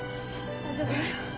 大丈夫？